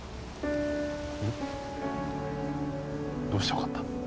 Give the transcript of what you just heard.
うん？どうしてわかった？